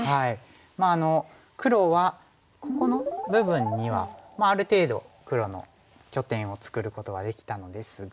まあ黒はここの部分にはある程度黒の拠点を作ることができたのですが。